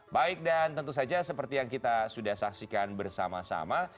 baik dan tentu saja seperti yang kita sudah saksikan bersama sama